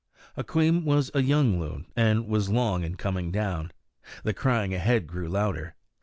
Hukweem was a young loon, and was long in coming down. The crying ahead grew louder.